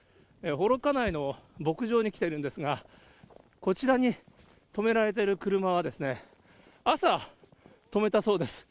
幌加内の牧場に来ているんですが、こちらに止められている車はですね、朝止めたそうです。